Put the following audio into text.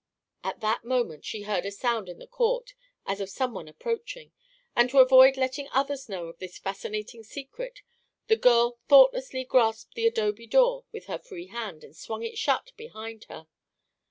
At that moment she heard a sound in the court, as of some one approaching, and to avoid letting others know of this fascinating secret the girl thoughtlessly grasped the adobe door with her free hand and swung it shut behind her.